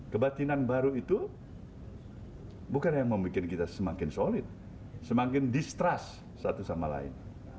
kebatinan baru itu bukan yang membuat kita semakin solid semakin distrust satu sama lain